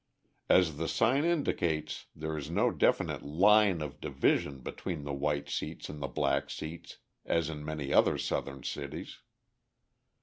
As the sign indicates, there is no definite line of division between the white seats and the black seats, as in many other Southern cities.